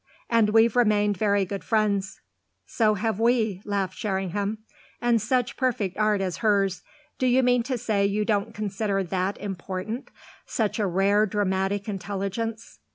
"And we've remained very good friends." "So have we!" laughed Sherringham. "And such perfect art as hers do you mean to say you don't consider that important, such a rare dramatic intelligence?"